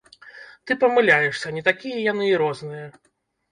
Ты памыляешся, не такія яны і розныя.